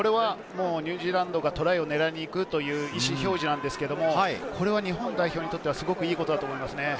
ニュージーランドがトライを狙いにいくという意思表示なんですけれど、日本代表にとっては良いことだと思います。